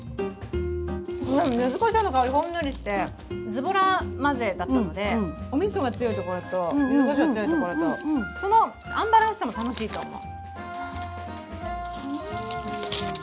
ゆずこしょうの香り、ほんのりして、ズボラで混ぜたので、おみそが強いところとゆずこしょうが強いところとそのアンバランスさも楽しいと思う。